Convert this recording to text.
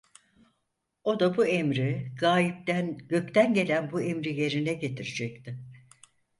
O da bu emri, gaipten, gökten gelen bu emri yerine getirecekti.